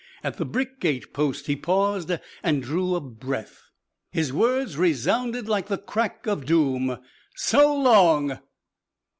At the brick gate post he paused and drew a breath. His words resounded like the crack of doom. "So long!"